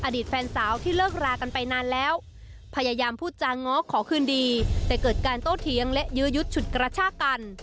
อดีตแฟนสาวที่เลิกรากันไปนานแล้วพยายามพูดจาง้อขอคืนดีแต่เกิดการโต้เถียงและยื้อยุดฉุดกระชากัน